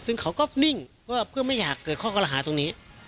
ซึ่งขายงานคือไม่อยากเกิดค่าไปกับรอหาตรงนี้